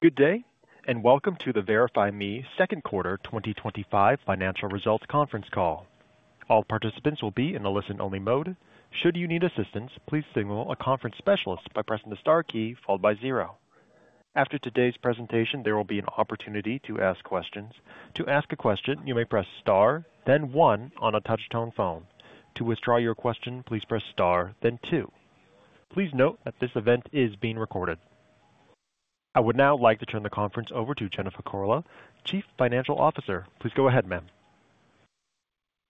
Good day, and welcome to the VerifyMe second quarter 2025 financial results conference call. All participants will be in a listen-only mode. Should you need assistance, please signal a conference specialist by pressing the star key followed by zero. After today's presentation, there will be an opportunity to ask questions. To ask a question, you may press star, then one on a touch-tone phone. To withdraw your question, please press star, then two. Please note that this event is being recorded. I would now like to turn the conference over to Jennifer Cola, Chief Financial Officer. Please go ahead, ma'am.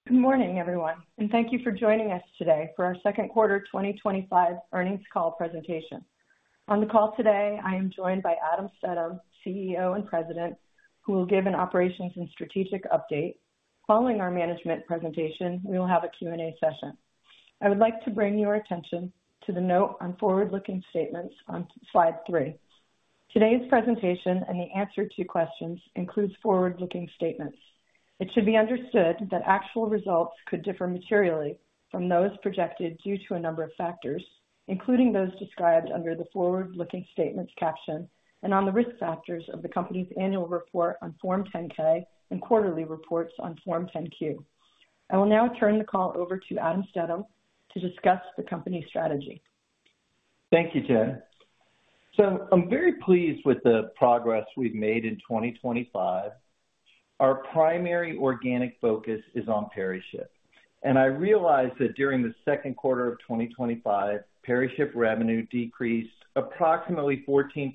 Good morning, everyone, and thank you for joining us today for our second quarter 2025 earnings call presentation. On the call today, I am joined by Adam Stedham, CEO and President, who will give an operations and strategic update. Following our management presentation, we will have a Q&A session. I would like to bring your attention to the note on forward-looking statements on slide three. Today's presentation and the answer to questions include forward-looking statements. It should be understood that actual results could differ materially from those projected due to a number of factors, including those described under the forward-looking statements caption and on the risk factors of the company's annual report on Form 10-K and quarterly reports on Form 10-Q. I will now turn the call over to Adam Stedham to discuss the company strategy. Thank you, Jen. I'm very pleased with the progress we've made in 2025. Our primary organic focus is on PeriShip, and I realize that during the second quarter of 2025, PeriShip revenue decreased approximately 14%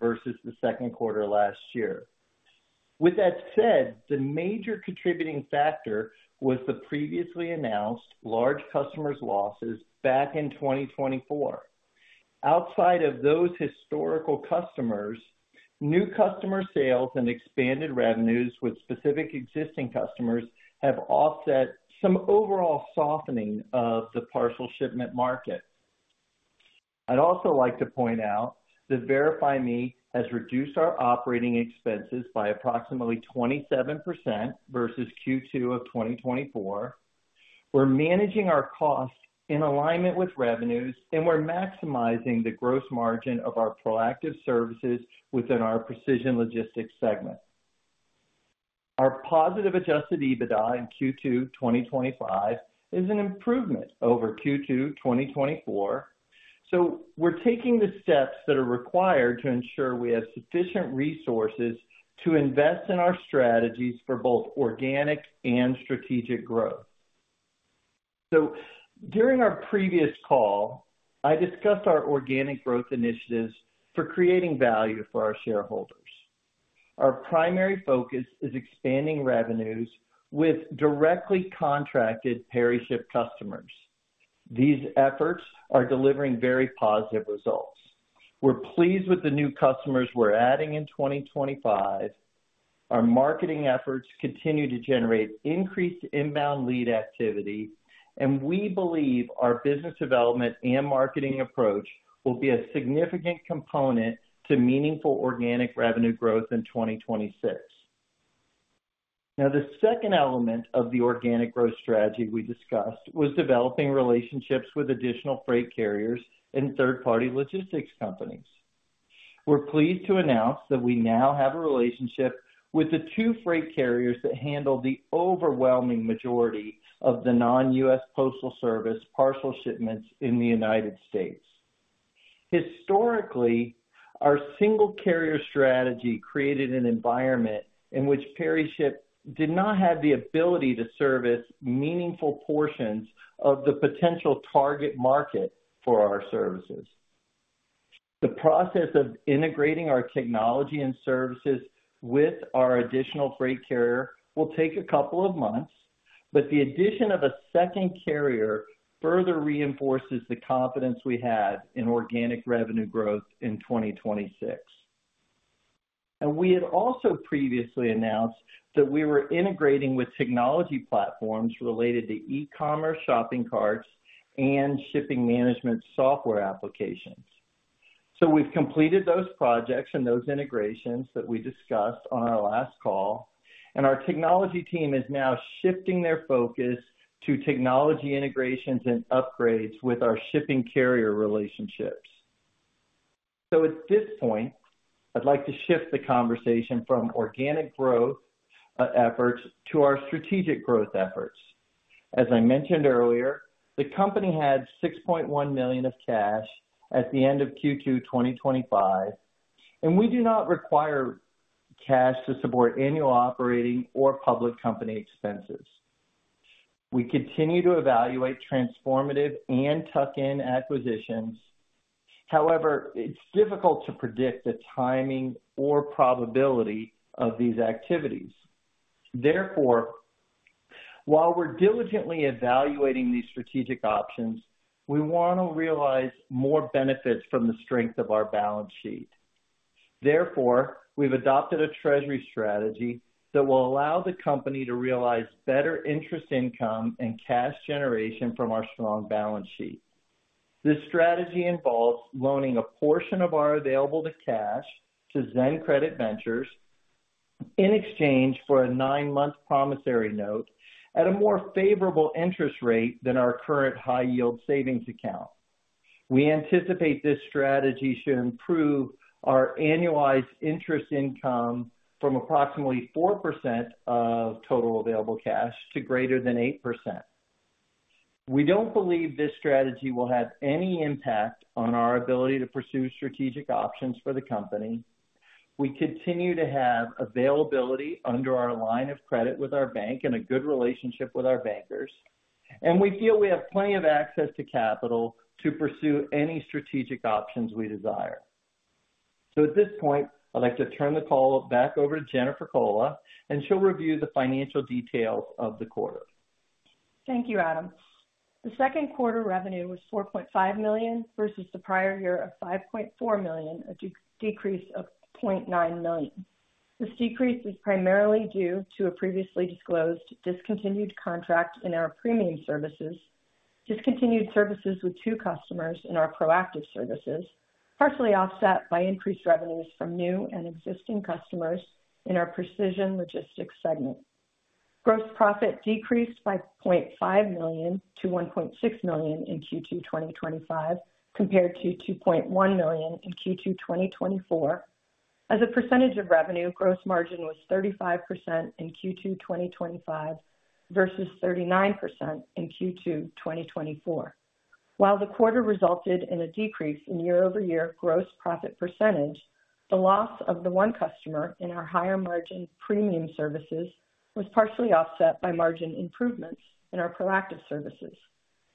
versus the second quarter last year. The major contributing factor was the previously announced large customers' losses back in 2024. Outside of those historical customers, new customer sales and expanded revenues with specific existing customers have offset some overall softening of the partial shipment market. I'd also like to point out that VerifyMe has reduced our operating expenses by approximately 27% versus Q2 2024. We're managing our costs in alignment with revenues, and we're maximizing the gross margin of our proactive services within our precision logistics segment. Our positive adjusted EBITDA in Q2 2025 is an improvement over Q2 2024, so we're taking the steps that are required to ensure we have sufficient resources to invest in our strategies for both organic and strategic growth. During our previous call, I discussed our organic growth initiatives for creating value for our shareholders. Our primary focus is expanding revenues with directly contracted PeriShip customers. These efforts are delivering very positive results. We're pleased with the new customers we're adding in 2025. Our marketing efforts continue to generate increased inbound lead activity, and we believe our business development and marketing approach will be a significant component to meaningful organic revenue growth in 2026. The second element of the organic growth strategy we discussed was developing relationships with additional freight carriers and third-party logistics companies. We're pleased to announce that we now have a relationship with the two freight carriers that handle the overwhelming majority of the non-U.S. Postal Service partial shipments in the United States. Historically, our single carrier strategy created an environment in which PeriShip did not have the ability to service meaningful portions of the potential target market for our services. The process of integrating our technology and services with our additional freight carrier will take a couple of months, but the addition of a second carrier further reinforces the confidence we have in organic revenue growth in 2026. We had also previously announced that we were integrating with technology platforms related to e-commerce shopping carts and shipping management software applications. We have completed those projects and those integrations that we discussed on our last call, and our technology team is now shifting their focus to technology integrations and upgrades with our shipping carrier relationships. At this point, I'd like to shift the conversation from organic growth efforts to our strategic growth efforts. As I mentioned earlier, the company had $6.1 million of cash at the end of Q2 2025, and we do not require cash to support annual operating or public company expenses. We continue to evaluate transformative and tuck-in acquisitions. However, it's difficult to predict the timing or probability of these activities. Therefore, while we're diligently evaluating these strategic options, we want to realize more benefits from the strength of our balance sheet. We have adopted a treasury strategy that will allow the company to realize better interest income and cash generation from our strong balance sheet. This strategy involves loaning a portion of our available cash to Zen Credit Ventures in exchange for a nine-month promissory note at a more favorable interest rate than our current high-yield savings account. We anticipate this strategy should improve our annualized interest income from approximately 4% of total available cash to greater than 8%. We don't believe this strategy will have any impact on our ability to pursue strategic options for the company. We continue to have availability under our line of credit with our bank and a good relationship with our bankers, and we feel we have plenty of access to capital to pursue any strategic options we desire. At this point, I'd like to turn the call back over to Jennifer Cola, and she'll review the financial details of the quarter. Thank you, Adam. The second quarter revenue was $4.5 million versus the prior year of $5.4 million, a decrease of $0.9 million. This decrease is primarily due to a previously disclosed discontinued contract in our premium services, discontinued services with two customers in our proactive services, partially offset by increased revenues from new and existing customers in our precision logistics segment. Gross profit decreased by $0.5 million to $1.6 million in Q2 2025, compared to $2.1 million in Q2 2024. As a percentage of revenue, gross margin was 35% in Q2 2025 versus 39% in Q2 2024. While the quarter resulted in a decrease in year-over-year gross profit percentage, the loss of the one customer in our higher margin premium services was partially offset by margin improvements in our proactive services.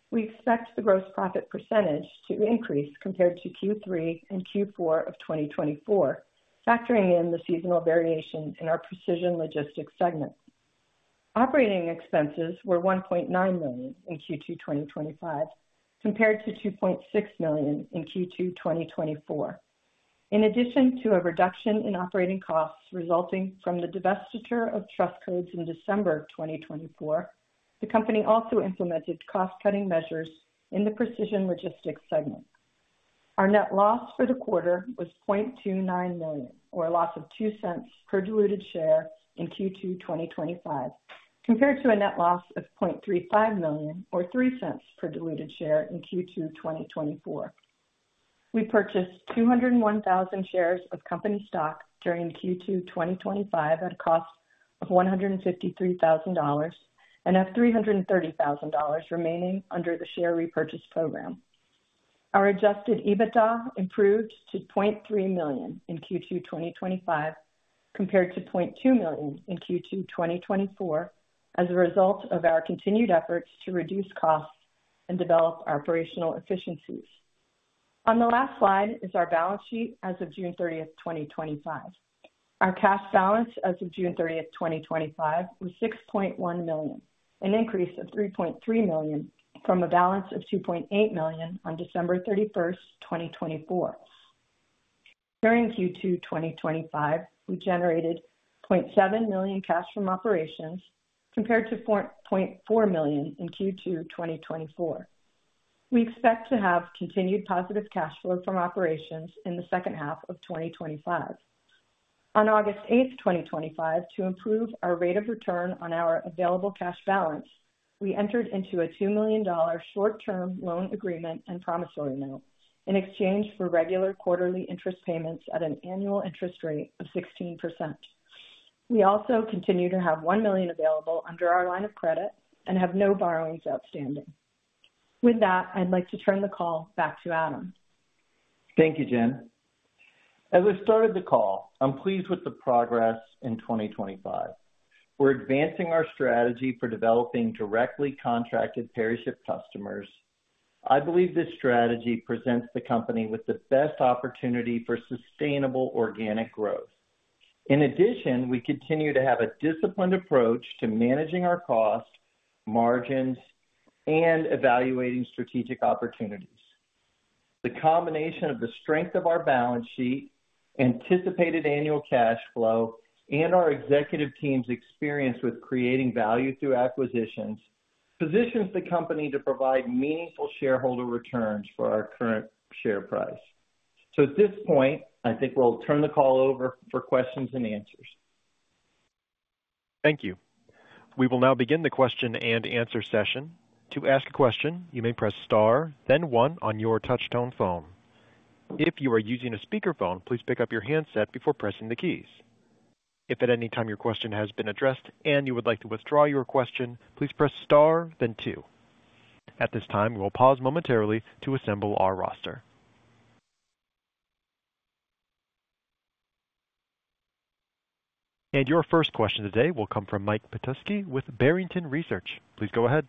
We expect the gross profit percentage to increase compared to Q3 and Q4 of 2024, factoring in the seasonal variations in our precision logistics segment. Operating expenses were $1.9 million in Q2 2025, compared to $2.6 million in Q2 2024. In addition to a reduction in operating costs resulting from the divestiture of Trust Codes in December 2024, the company also implemented cost-cutting measures in the precision logistics segment. Our net loss for the quarter was $0.29 million, or a loss of $0.02 per diluted share in Q2 2025, compared to a net loss of $0.35 million, or $0.03 per diluted share in Q2 2024. We purchased 201,000 shares of company stock during Q2 2025 at a cost of $153,000 and have $330,000 remaining under the share repurchase program. Our adjusted EBITDA improved to $0.3 million in Q2 2025, compared to $0.2 million in Q2 2024, as a result of our continued efforts to reduce costs and develop operational efficiencies. On the last slide is our balance sheet as of June 30, 2025. Our cash balance as of June 30, 2025 was $6.1 million, an increase of $3.3 million from a balance of $2.8 million on December 31, 2024. During Q2 2025, we generated $0.7 million cash from operations, compared to $0.4 million in Q2 2024. We expect to have continued positive cash flow from operations in the second half of 2025. On August 8, 2025, to improve our rate of return on our available cash balance, we entered into a $2 million short-term loan agreement and promissory note in exchange for regular quarterly interest payments at an annual interest rate of 16%. We also continue to have $1 million available under our line of credit and have no borrowings outstanding. With that, I'd like to turn the call back to Adam. Thank you, Jen. As I started the call, I'm pleased with the progress in 2025. We're advancing our strategy for developing directly contracted PeriShip customers. I believe this strategy presents the company with the best opportunity for sustainable organic growth. In addition, we continue to have a disciplined approach to managing our costs, margins, and evaluating strategic opportunities. The combination of the strength of our balance sheet, anticipated annual cash flow, and our executive team's experience with creating value through acquisitions positions the company to provide meaningful shareholder returns for our current share price. At this point, I think we'll turn the call over for questions and answers. Thank you. We will now begin the question and answer session. To ask a question, you may press star, then one on your touch-tone phone. If you are using a speaker phone, please pick up your handset before pressing the keys. If at any time your question has been addressed and you would like to withdraw your question, please press star, then two. At this time, we will pause momentarily to assemble our roster. Your first question today will come from Mike Petusky with Barrington Research. Please go ahead.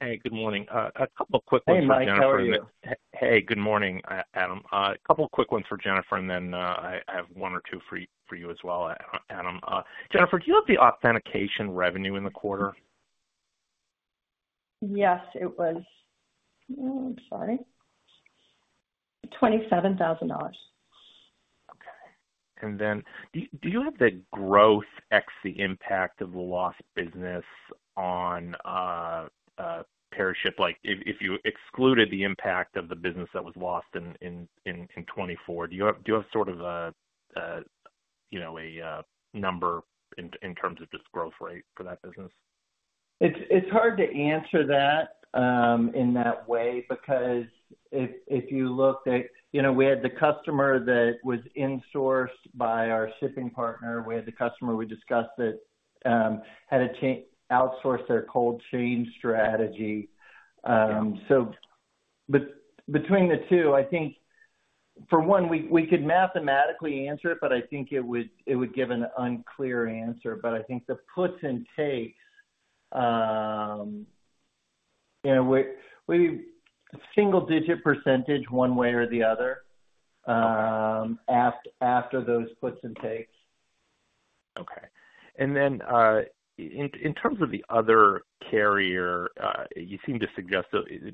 Hey, good morning. A couple of quick ones. Hey, Mike, how are you? Hey, good morning, Adam. A couple of quick ones for Jennifer, and then I have one or two for you as well, Adam. Jennifer, do you have the authentication revenue in the quarter? Yes, it was, I'm sorry, $27,000. Okay. Do you have the growth ex the impact of the lost business on PeriShip? If you excluded the impact of the business that was lost in 2024, do you have a number in terms of just growth rate for that business? It's hard to answer that in that way because if you looked at, you know, we had the customer that was insourced by our shipping partner. We had the customer we discussed that had outsourced their cold chain strategy. Between the two, I think for one, we could mathematically answer it, but I think it would give an unclear answer. I think the puts and takes, you know, we single-digit percentage one way or the other after those puts and takes. Okay. In terms of the other carrier, you seem to suggest the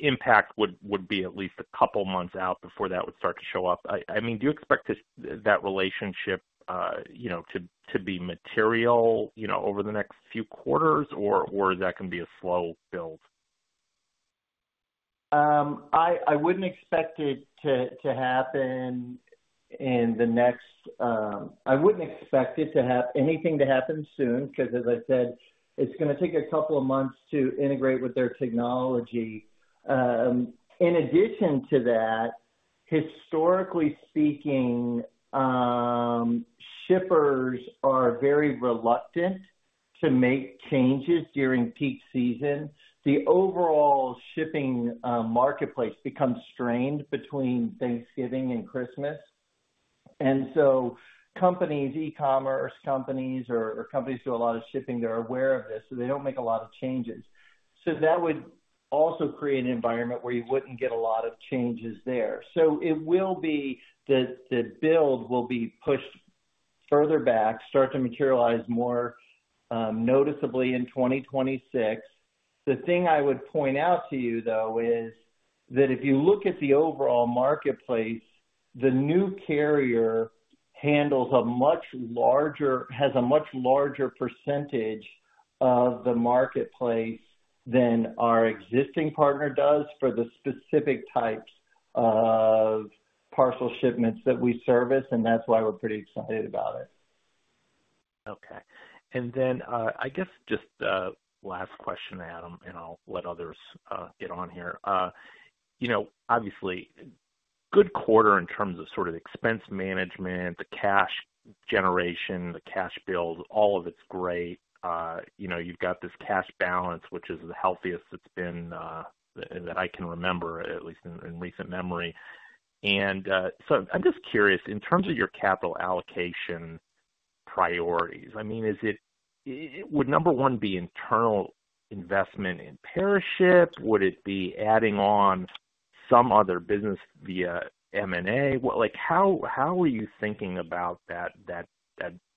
impact would be at least a couple of months out before that would start to show up. Do you expect that relationship to be material over the next few quarters, or is that going to be a slow build? I wouldn't expect it to happen in the next, I wouldn't expect anything to happen soon because, as I said, it's going to take a couple of months to integrate with their technology. In addition to that, historically speaking, shippers are very reluctant to make changes during peak season. The overall shipping marketplace becomes strained between Thanksgiving and Christmas. Companies, e-commerce companies, or companies that do a lot of shipping are aware of this, so they don't make a lot of changes. That would also create an environment where you wouldn't get a lot of changes there. It will be that the build will be pushed further back and start to materialize more noticeably in 2026. The thing I would point out to you, though, is that if you look at the overall marketplace, the new carrier handles a much larger, has a much larger % of the marketplace than our existing partner does for the specific types of parcel shipments that we service. That's why we're pretty excited about it. Okay. And then I guess just the last question, Adam, and I'll let others get on here. You know, obviously, a good quarter in terms of sort of expense management, the cash generation, the cash build, all of it's great. You know, you've got this cash balance, which is the healthiest it's been that I can remember, at least in recent memory. I'm just curious, in terms of your capital allocation priorities, I mean, is it, would number one be internal investment in PeriShip? Would it be adding on some other business via M&A? How are you thinking about that, that,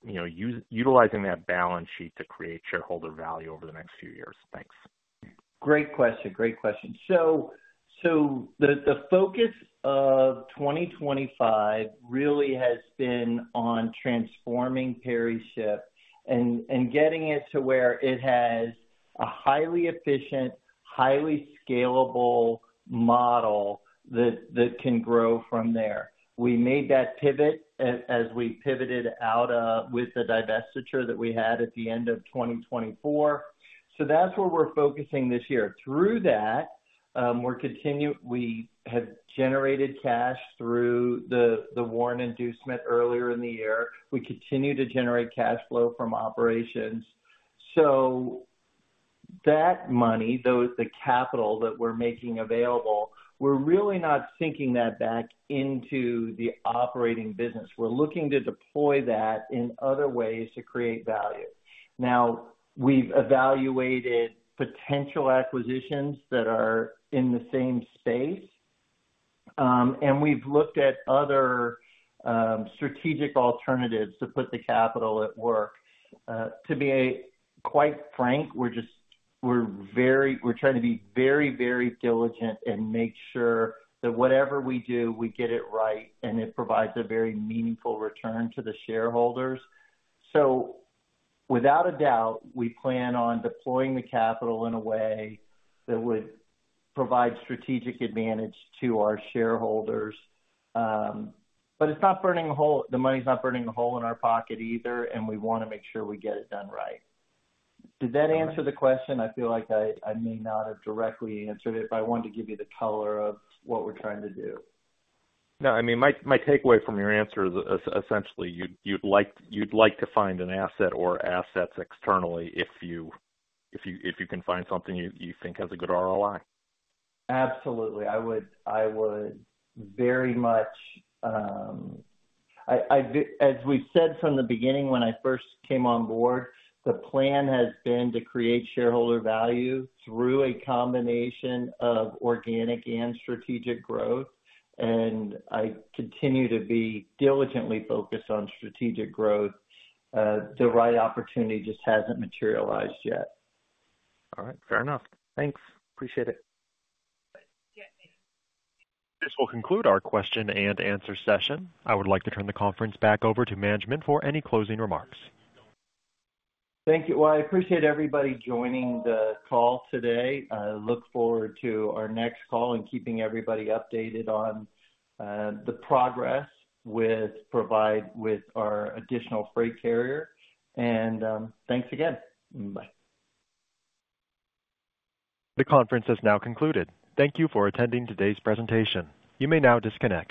you know, utilizing that balance sheet to create shareholder value over the next few years? Thanks. Great question. The focus of 2025 really has been on transforming PeriShip and getting it to where it has a highly efficient, highly scalable model that can grow from there. We made that pivot as we pivoted out of, with the divestiture that we had at the end of 2024. That's where we're focusing this year. Through that, we're continuing, we have generated cash through the warrant inducement earlier in the year. We continue to generate cash flow from operations. That money, the capital that we're making available, we're really not sinking that back into the operating business. We're looking to deploy that in other ways to create value. We've evaluated potential acquisitions that are in the same space. We've looked at other strategic alternatives to put the capital at work. To be quite frank, we're trying to be very, very diligent and make sure that whatever we do, we get it right and it provides a very meaningful return to the shareholders. Without a doubt, we plan on deploying the capital in a way that would provide strategic advantage to our shareholders. It's not burning a hole, the money's not burning a hole in our pocket either, and we want to make sure we get it done right. Did that answer the question? I feel like I may not have directly answered it, but I wanted to give you the color of what we're trying to do. No, I mean, my takeaway from your answer is essentially you'd like to find an asset or assets externally if you can find something you think has a good ROI. Absolutely. I would very much, as we've said from the beginning when I first came on board, the plan has been to create shareholder value through a combination of organic and strategic growth. I continue to be diligently focused on strategic growth. The right opportunity just hasn't materialized yet. All right, fair enough. Thanks. Appreciate it. This will conclude our question and answer session. I would like to turn the conference back over to management for any closing remarks. Thank you. I appreciate everybody joining the call today. I look forward to our next call and keeping everybody updated on the progress with providing our additional freight carrier. Thanks again. Bye. The conference has now concluded. Thank you for attending today's presentation. You may now disconnect.